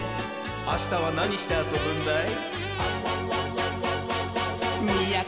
あしたはなにしてあそぶんだい？